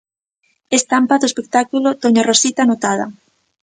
Estampa do espectáculo 'Doña Rosita anotada'.